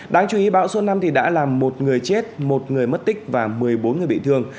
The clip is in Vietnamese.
đáng chú ý bão số năm đã làm một người chết một người mất tích và một mươi bốn người bị thương